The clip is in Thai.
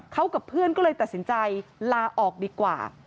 เขากับเพื่อนก็เลยตัดสินใจลาออกดีกว่า